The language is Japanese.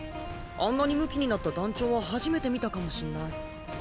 あんなにムキになった団長は初めて見たかもしんない。